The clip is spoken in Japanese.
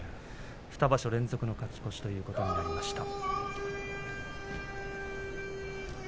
２場所連続の勝ち越しということになりました。